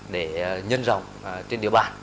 để nhân rộng trên địa bàn